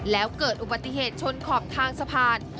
แล้วเกิดอุบัติเหตุชนขอบทางสะพาน